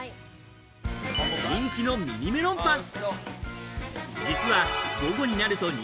人気のミニメロンパン。